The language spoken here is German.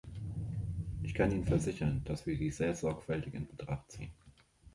Ich kann Ihnen versichern, dass wir sie sehr sorgfältig in Betracht ziehen.